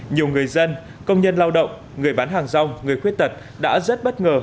nhiều người dân công nhân lao động người bán hàng rong người khuyết tật đã rất bất ngờ